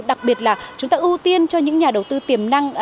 đặc biệt là chúng ta ưu tiên cho những nhà đầu tư tiềm năng